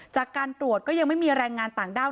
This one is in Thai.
จากการตรวจก็ยังไม่มีแรงงานต่างด้าว